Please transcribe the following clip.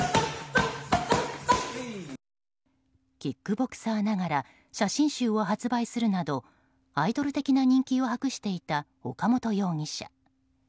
キックボクサーながら写真集を発売するなどアイドル的な人気を博していた岡本容疑者。